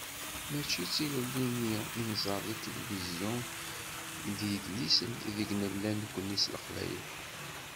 Mačči d tilelli-nni i nẓer deg tilifizyu d yidlisen i deg d-nelha nekkni s leqbayel.